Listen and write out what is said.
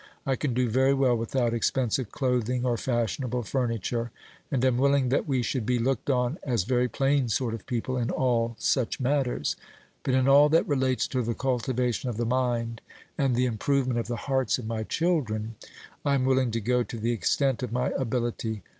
I can do very well without expensive clothing or fashionable furniture, and am willing that we should be looked on as very plain sort of people in all such matters; but in all that relates to the cultivation of the mind, and the improvement of the hearts of my children, I am willing to go to the extent of my ability.